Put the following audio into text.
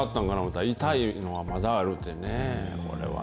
おもたら、痛いのがまだあるってね。